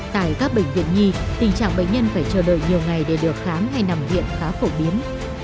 tại các bệnh viện nhi tình trạng bệnh nhân phải chờ đợi nhiều ngày để được khám hay nằm viện khá phổ biến